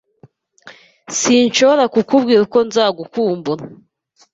Sinshobora kukubwira uko nzakumbura .